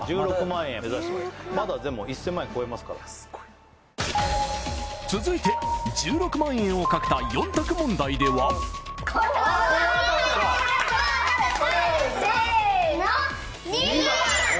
１６万円目指してまだでも１０００万円超えますから続いて１６万円をかけた４択問題ではこれはわかるこれはわかったやろせの！